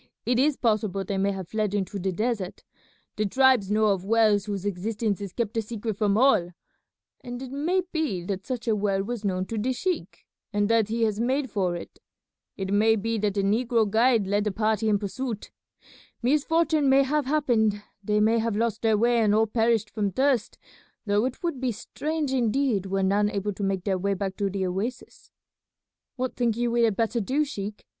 It is possible they may have fled into the desert. The tribes know of wells whose existence is kept a secret from all, and it may be that such a well was known to the sheik and that he has made for it. It may be that the negro guide led the party in pursuit. Misfortune may have happened; they may have lost their way and all perished from thirst, though it would be strange indeed were none able to make their way back to the oasis." "What think you we had better do, sheik?